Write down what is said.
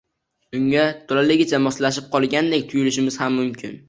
Unga to’laligicha moslashib qolgandek tuyulishimiz ham mumkin